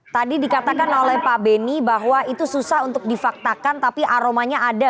tadi dikatakan oleh pak beni bahwa itu susah untuk difaktakan tapi aromanya ada